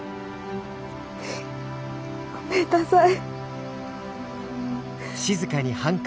ごめんなさい。